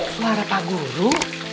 suara pak guru